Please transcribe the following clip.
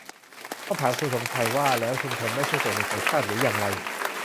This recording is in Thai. ต้องถามคุณสมชัยว่าแล้วชุมชนไม่ใช่ส่วนหนึ่งของชาติหรืออย่างไร